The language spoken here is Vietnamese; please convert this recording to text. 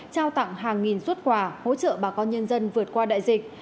trao tặng hàng nghìn xuất quà hỗ trợ bà con nhân dân vượt qua đại dịch